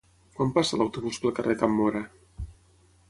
Quan passa l'autobús pel carrer Can Móra?